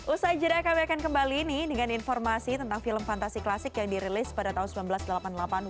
usai jeda kami akan kembali ini dengan informasi tentang film fantasi klasik yang dirilis pada tahun seribu sembilan ratus delapan puluh delapan